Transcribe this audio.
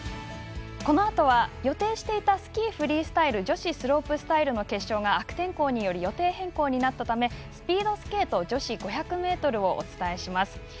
このあとは予定していたスキー・フリースタイル女子スロープスタイルの決勝が悪天候により予定変更になったためスピードスケート女子５００ｍをお伝えします。